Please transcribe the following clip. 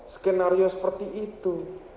skenario seperti itu